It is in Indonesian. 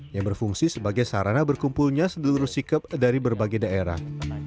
yang berfungsi sebagai sarana berkumpulnya sedulur sikap dari berbagai daerah